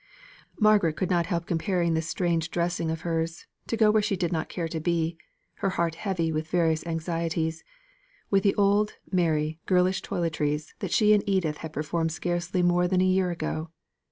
Margaret could not help comparing this strange dressing of hers, to go where she did not care to be her heart heavy with various anxieties with the old, merry, girlish toilettes that she and Edith had performed scarcely more than a year ago.